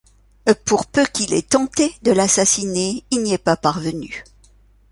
Pour peu qu'il ait tenté de l'assassiner, il n'y est pas parvenu.